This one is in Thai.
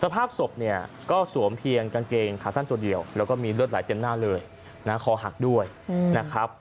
สภาพศพเนี่ยก็สวมเพียงกางเกงขาสั้นตัวเดียวแล้วก็มีเลือดไหลเต็มหน้าเลยนะคอหักด้วยนะครับ